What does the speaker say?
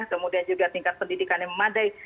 kemudian juga tingkat pendidikan yang memadai